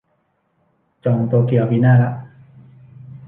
จองโตเกียวปีหน้าละ